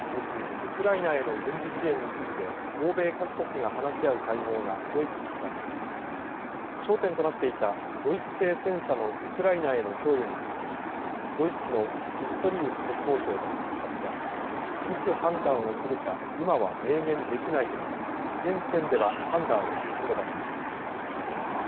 ウクライナへの軍事支援について欧米各国が話し合う会合がドイツで開かれ焦点となっていたドイツ製戦車のウクライナへの供与についてドイツのピストリウス国防相は２０日いつ判断をするか今は明言できないと述べ現時点では判断を先延ばしました。